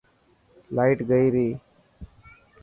لائٽ گئي ري.